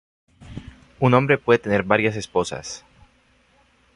Un hombre puede tener varias esposas.